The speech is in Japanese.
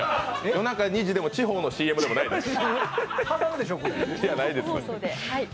夜中２時でも地方のＣＭでもないです。